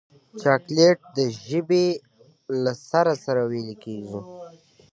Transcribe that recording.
چاکلېټ د ژبې له سر سره ویلې کېږي.